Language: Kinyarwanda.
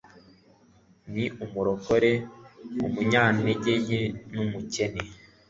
nimurokore umunyantegenke n'umukene